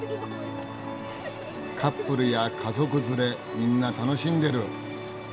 カップルや家族連れみんな楽しんでる。